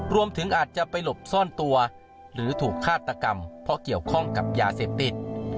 รวมถึงอาจจะไปหลบซ่อนตัวหรือถูกฆาตกรรมเพราะเกี่ยวข้องกับยาเสพติด